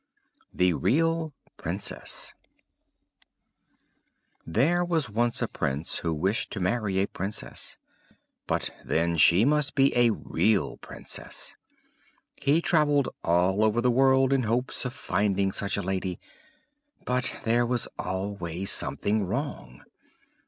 THE REAL PRINCESS There was once a Prince who wished to marry a Princess; but then she must be a real Princess. He travelled all over the world in hopes of finding such a lady; but there was always something wrong.